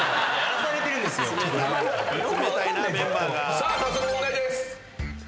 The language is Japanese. さあ早速問題です。